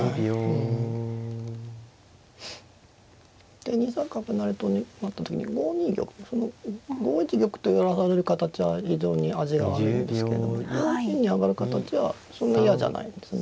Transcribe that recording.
で２三角成と成った時に５二玉その５一玉と寄らされる形は非常に味が悪いんですけども５二に上がる形はそんな嫌じゃないんですね。